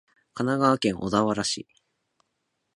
神奈川県小田原市